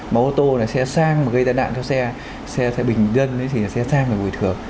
mà ô tô xe sang mà gây tai nạn cho xe bình dân thì xe sang phải bồi thường